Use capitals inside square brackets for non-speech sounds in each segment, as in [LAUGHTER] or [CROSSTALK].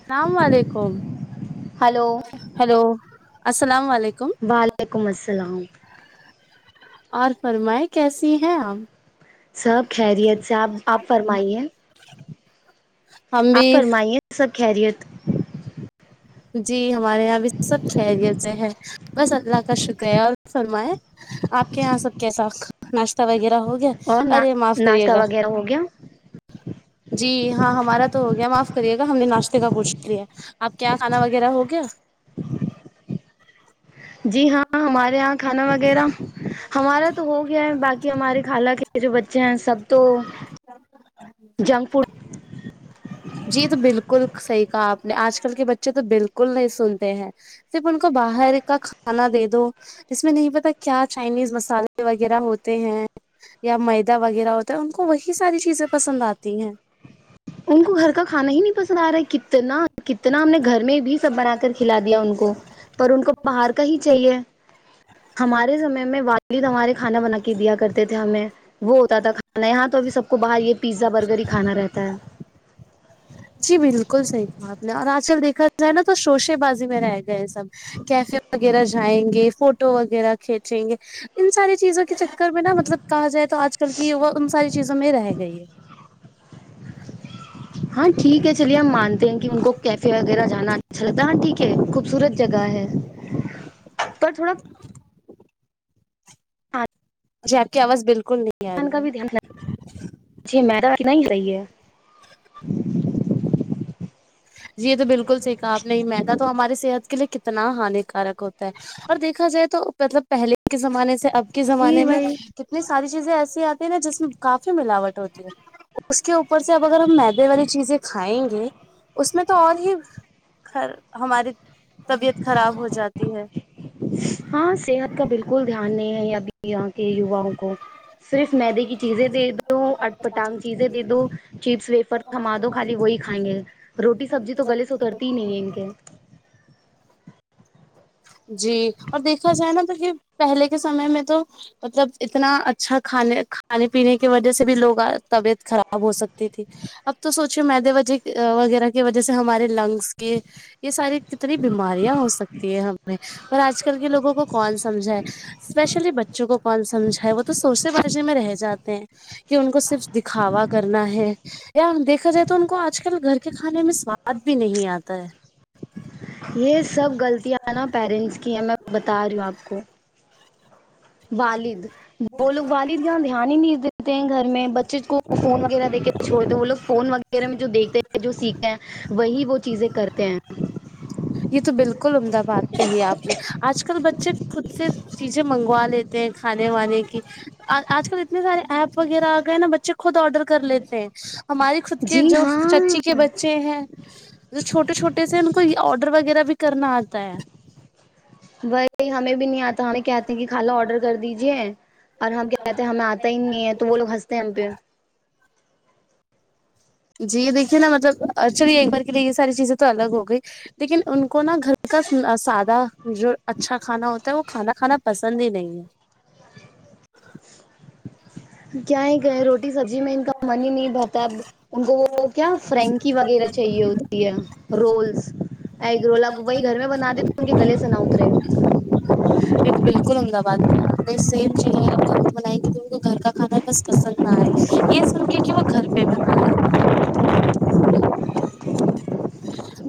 السلام علیکم hello hello السلام علیکم وعلیکم السلام اور فرمائ کیسی ہیں آ سب خیریت سے آپ آپ فرمائیے ہم بھی یہ سب خیریت جی ہمارے یہاں بھی سب خیریت سے ہیں بس اللہ کا شکریہ اور فرمائےیں آپ کے یہاں سب کیسا ناشتہ وغیرہ ہو گیا اور ارے معاف کریے ناشتہ گا وغیرہ ہو گیا جی ہاں ہمارا تو ہو گیا معاف کریے گا ہم نے ناشتے کا پوچھ کر آپ کیا کھانا وغیرہ ہو گیا جی ہاں ہمارے یہاں کھانا وغیرہ ہمارا تو ہو گیا ہے باقی ہمارے خالہ کے جو بچے ہیں سب تو جنک فوڈ جی تو بالکل صحیح کہا آپ نے آج کل کے بچے تو بالکل نہیں سنتے ہیں صرف ان کو باہر کا کھانا دے دو ج میں نہیں پتا کیا چائنیز مسالے وغیرہ ہوتے ہیں یا میدا وغیرہ ہوتا ہے ان کو وہی ساری چیزیں پسند آتی ہیں ان کو گھر کا کھانا ہی نہیں پسند آ رہا ہے کتنا کتنا ہم نے گھر میں بھی سب بنا کر کھلا دیا ان کو پر ان کو باہر کا ہی چاہیے ہمارے سمے میں والد ہمارے کھانا بنا کے دیا کرتے تھے ہمیں وہ ہوتا تھا کھانا یہاں تو ابھی سب کو باہر یہ پیزا برگر ہی کھانا رہتا ہے جی بالکل صحیح کہاآپ نے اور آج کل دیکھا جائے نا تو شوشے بازی میں رہ گئے سب کیفے وغیرہ جائیں گے فوٹو وغیرہ کھینچیں گے ان ساری چیزوں کے کے چکر میں نا مطلب کہا جائے تو آج کل کی وہ ان ساری چیزوں میں رہ گئی ہے ہاں ٹھیک ہے چلیے ہم مانتے ہیں کہ ان کو کیفے وغیرہ جانا اچھا لگتا ہاں ٹھیک ہے خوبصورت جگہ ہے پر تھوڑا ج آ کی آواز بالکل نہیں آ رہی [UNINTELLIGIBLE] کا ہے بھی دھیان میدا اتنا ہی صحیح ہے جی یہ تو بالکل صحیح کہا آپ نہیں میدا تو ہماری صحت کے لیے کتنا ہانیکارک ہوتا ہے اور دیکھا جائے تو مطلب پہلے کے زمانے سے اب ک جی زمانے میں بھائی کتنی ساری چیزیں ایسی آتی ہیں نا جس میں کافی ملاوٹ ہوتی ہے اس کے اوپر سے اب اگر ہم مدے والی چیزیں کھائیں گے اس میں تو اور ہی ہماری طبیعت خراب ہو جاتی ہے ہاں صحت کا بالکل دھیان نہیں ہے ابھی یہاں کے یواؤں کو صرف میدے کی چیزیں دے دو اٹ پٹانگ چیزیں دے دو چیپس ویفر تھما دو خالی وہی کھائیں گے روٹی سبزی تو گلے سے اترتی ہی نہیں ہے ان کے جی اور دیکھا جائے نا تو کہ پہلے کے سمے میں تو مطلب اتنا اچھا کھانے کھانے پینے کی وجہ سے بھی لوگ طبیعت خراب ہو سکتی تھی اب تو سوچے میدے وجی وغیرہ کی وجہ سے ہمارے لنگ اس کے یہ ساری کتنی بیماریاں ہو سکتی ہم نے اور آج کل کے لوگوں کو کون سمجھا ہے اسپیش چلیے بچوں کو کون سمجھا ہے وہ تو سوچنے بجنے میں رہ جاتے ہیں کہ ان کو صرف دکھاوا کرنا ہے یا دیکھا جائے تو ان کو آج کل گھر کے کھانے میں سواد بھی نہیں آتا ہے یہ سب غلطیاں نا پیرنٹس کی ہیں میں بتا رہی ہوں آپ کو والد وہ لوگ والد یہاں دھیان ہی نہیں دیتے گھر میں بچے کو فون وغیرہ دے کے چھوڑتے وہ لوگ فون وہ وغیرہ جو دیکھتے ہیں جو سیکھتے ہیں وہی وہ چیزیں کرتے ہیں یہ تو بالکل عمدہ بات کہی آپ نے آج کل بچے خود سے چیزیں منگوا لیتے کھانے وانے کی آج کل اتنے سارے ایپ وغیرہ آ گئے ہیں نا بچے خود آرڈر کر لیتے ہیں ہماری خود کے جی جو ہاں چچی کے بچے ہیں جو چھوٹے چھوٹے تھے ان کو آرڈر وغیرہ بھی کرنا آتا ہے وہی ہمیں بھی نہیں آتا ہمیں کہتے ہیں کہ کھالا آڈر کر دیجیے اور ہم کیا کہتے ہیں ہمیں آتا ہی نہیں ہے تو وہ لو ہنستے ہیں ہم پہ جی یہ دیکھیے نا مطلب چلیے ایک بار کے لیے ساری چیزیں تو الگ ہو گئی لیکن ان کو نا گھر کا سا سادہ جو اچھا کھانا ہوتا ہے وہ کھانا کھانا پسند ہی نہیں ہے کیا ہی کہے روٹی سبزی میں ان کا من ہی نہیں بھرتا ان کو وہ کیا فرینکی وغیرہ چاہیے ہوتی رول ایگ رول اب وہی گھر میں بن ہے د تو ان کے گلے سے نہ اترے بالکل عمدہ بات کہی وہی سیم چیزیں بنائیں گے تو کو گھر کا کھانا بس پسند نہ آئے یہ سن کے کہ وہ گھر پہ بنا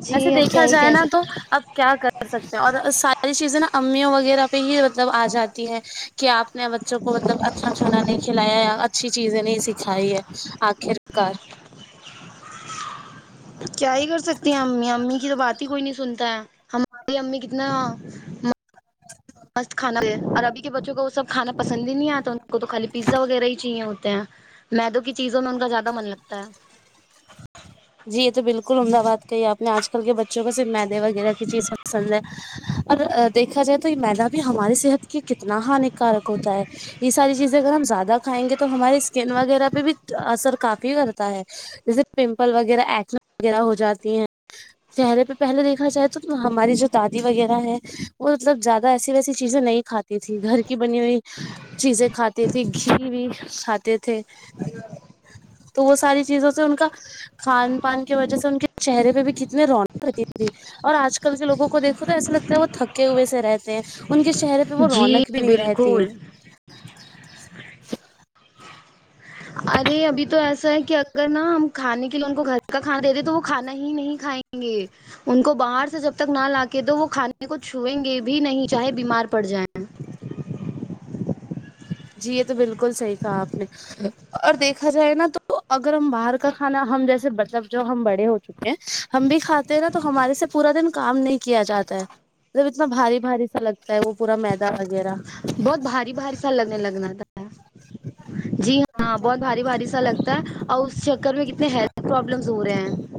جی اب کیا سا ہی جائے کہہ نا تو سکتے اب کیا کر سکتے ہیں اور ساری چیزیں نا امیوں وغیرہ پہ ہی مطلب آ جاتی ہیں کہ آپ نے بچوں کو مطلب اچھا کھانا نہیں کھلایا یا اچھی چیزیں نہیں سکھائی ہے آخر کار کیا ہی کر سکتی ہیں امی امی کی تو بات ہی کوئی نہیں سنتا ہے ہماری امی کتنا مست کھانا اورربی کے بچوں کو وہ سب کھانا پسند ہی نہیں آتا ان کو تو خالی پیزا وغیرہ ہی چاہیے ہوتے ہیں میدوں کی چیزوں میں ان کا زیادہ من لگتا ہے جی یہ تو بالکل احمدآ باد کا ہی آپ نے آج کل کے بچوں کو صرف میدے وغیرہ کی چیز پسند ہے ا دیکھا جائے تو یہ میدا بھی ہماری صحت کے لئے کتنا ہانیکارک ہوتا ہے یہ ساری چیزیں اگر ہم زیادہ کھائیں گے تو ہمارے سکین وغیرہ پہ بھی اثر کافی کرتا ہے جیسے پمپل وغیرہ ایکنے وغیرہ ہو جاتی ہیں چہرے پہ پہلے دیکھا جائے تو ہماری جو دادی وغیرہ ہے وہ مطلب زیادہ ایسی ویسی چیزیں نہیں کھتی تھی گھر کی بنی ہوئی چیزیں کھاتی تھی گھی بھی کھاتے تھے تو وہ ساری چیزوں سے ان کا کھان پان کی وجہ سے ان کے چہرے پہ بھی کتنی رونق رہتی تھی اور آج کل کے لوگوں کو دیکھو تو ایسا لگتا ہے وہ تھکے ہوئے سے رہتے ہیں ان کے چہرے پہ ہے وہ جی رونق بھی نہیں رہتی ہے بالکل ارے ابھی تو ایسا ہے کہ اگر نا ہم کھانے کے لیے ان کو گھر کا کھانا دے دے تو وہ کھانا ہی نہیں کھائیں گے ان کو باہر سے جب تک نہ لاکے دو تو وہ کھانے کو چھوئیں گے بھی نہیں چاہے بیمار پڑ جائیں جی یہ تو بلکل صحیح کہا آپ نے اور دیکھا جائے نا تو اگر ہم باہر کا کھانا ہم جیسے مطلب جو ہم بڑے ہوتے ک ہم بھی کھاتے ہیں نا تو ہمارے سے پورا دن کام نہیں کیا جاتا ہے مطلب اتنا بھاری بھاری سا لگتا ہے وہ پورا میدہ بہت بھاری بھاری سا لگنے لگنا تھا جی ہاں بہت بھاری بھاری سا لگتا ہے اور اس چکر میں کتنے ہیلتھ پروبلمس ہو رہے ہیں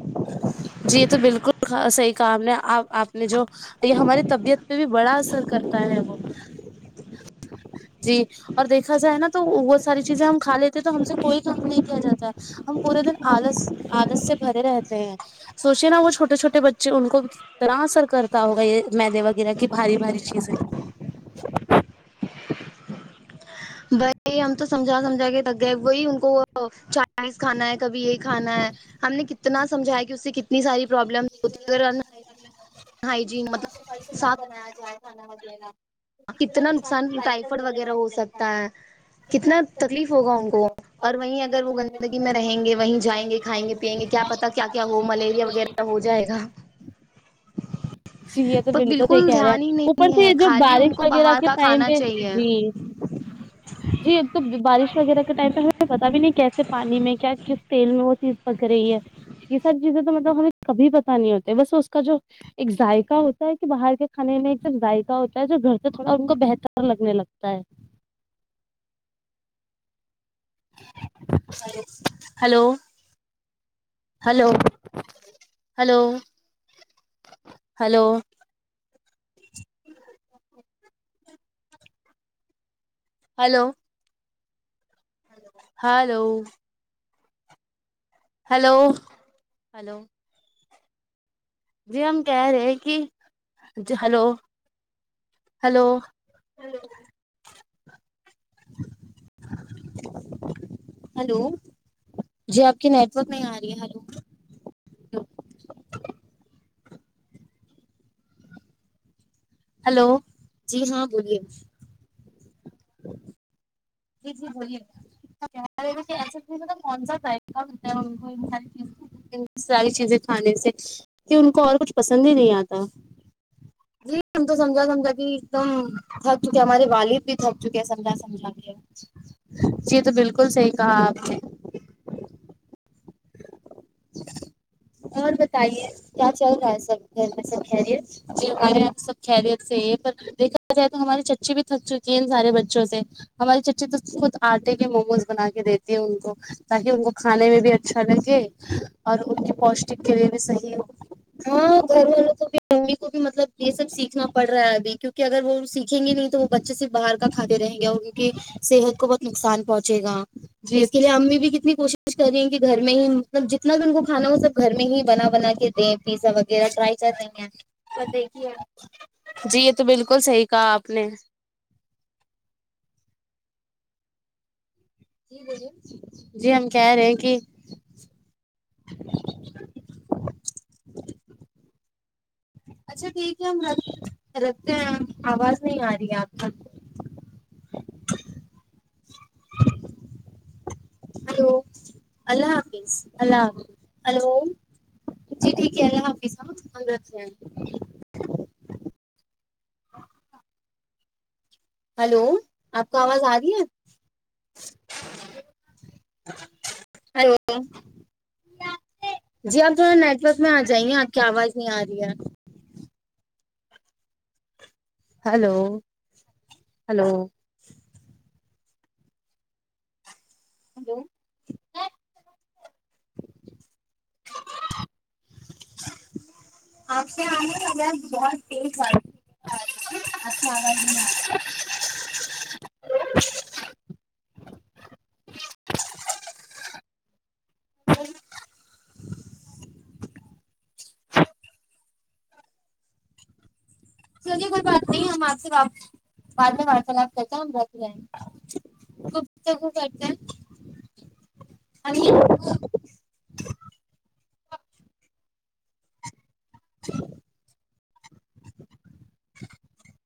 جی یہ تو بلکل صحیح کہا آپ نے آپ آپ نے جو یہ ہماری طبیعت پہ بھی بڑا اثر کرتا ہے وہ جی اور دیکھا جائے نا تو وہ ساری چیزیں ہم کھا لیتے ہیں تو ہم سے کوئی کام نہیں کیا جاتا ہے ہم پورے دن آلس آلس سے بھرے رہتے ہیں سوچے نا وہ چھوٹے چھوٹے بچے ان کو اتنا اسر کرتا ہوگا یہ میدے وغیرہ کی بھاری بھاری چیزیں بھائی ہم تو سمجھا سمجھا کے تھک گئے وہی ان کو وہ چینس کھانا ہے کبھی یہی کھانا ہے ہم نے کتنا سمجایا کہ اس سے کتنی ساری پرابلم ہوتی ہے ہائیجین فیس مطلب نہ صاف بنایا جائے کھانا وغیرہ کتنا نقصان ٹائیفٹ وغیرہ ہو سکتا ہے کتنا تکلیف ہوگا ان کو اور وہیں اگر وہ گندگی میں رہیں گے وہیں جائیں گے کھائیں گے تو پینگےکیا پتا کیا کیا ہو ملیریا وغیرہ ہو جائے گا جی یہ تو پر بالکل بلکل صحیح کہہ رہے ہیں دھیان ہی آپ اوپر نہیں سے یہ ہے جو خالی ان بارش کو وغیرہ باہر کے کا ٹائم کھانا پہ چاہیئے جی جی اب تو بارش وغیرہ کے ٹائم پہ ہمیں پتا بھی نہیں کیسے پانی میں کیا کس تیل میں وہ چیز پک رہی ہے یہ سب چیزیں تو مطلب ہمیں کبھی پتا نہیں ہوتے بس اس کا جو ایک ذائقہ ہوتا ہے کہ باہر کے کھانے میں صرف ذائقہ ہوتا ہے جو گھر سے تھوڑا ان کو بہتر لگنے لگتا ہے hello hello hello hello hello hello hello hello جی ہم کہہ رہے کہ ہیلو ہیلو ہیلو ہیلو جی آپ کی نیٹ ورک نہیں آ رہی ہے ہیلو ہیلو جی ہاں بولیے جی جی ہولیے [UNINTELLIGIBLE] ساری چیزیں کھانے سے کہ ان کو اور کچھ پسند ہی نہیں آتا جی ہم تو سمجھا سمجھا کہ ایک دم تھک چکے ہمارے والد بھی تھک چکے ہیں سمجھا سمجھا کے جی تو بالکل صحیح کہا آپ نے اور بتائیے کیا چل رہا ہے سب گھر میں سب خیریت جی ہمارے آپ سب خیریت سے یہ پر دیکھا جائے تو ہماری چچی بھی تھک چکی ہے ان سارے بچوں سے ہماری چچی تو خود آٹے کے موموز بنا کے دیتی ان کو تاکہ ان کو کھانے میں بھی اچھا لگے اور ان کی پوشٹک کے لیے بھی صحیح ہاں گھر والوں کو بھی ممی کو بھی مطلب یہ سب سیکھنا پڑ رہا ہے ابھی کیونکہ کہ اگر وہ سیکھیں گے نہیں تو وہ بچے سے باہر کا کھاتے رہیں گے اور کیونکہ صحت کو بہت نقصان پہنچے گا جی اس کے لیے امی بھی کتنی کوشش کریں گی گھر میں ہی مطلب جتنا بھی ان کو کھانا ہو سب گھر میں ہی بنا بنا کے دیں پیزا وغیرہ ٹرائی کر رہی ہیں دیکھے جی یہ تو بالکل صحیح کہا آپ نے جی ہم کہہ رہے ہیں کہ اچھا ٹھیک ہے ہم رکھ رکھتے ہیں آواز نہیں آ رہی ہے آپ کی ہیلو اللہ حافظ اللہ حافظ ہیلو جی ٹھیک ہے اللہ حافظ ہ رکھنے ہیلو آپ کو آواز آ رہی ہے ہیلو جی آپ تھڑا نیٹ ورک میں آ جائے آپ کی آواز نہیں آ رہی ہے ہیلو ہیلو ہیلو آپ سے آواز بہت تیز آرائی چلیے کوئی بات نہیں ہم آپ سےاپ بعد میں وارتالپ کرتے ہیں ہم رہتے رہائیں گے [UNINTELLIGIBLE] خ تو خوبتا ج [INAUDIBLE]